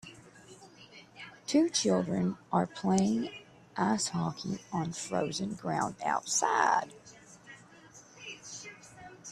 Two children are playing ice hockey on frozen ground outside.